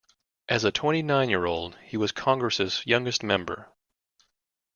As a twenty-nine-year-old, he was Congress's youngest member.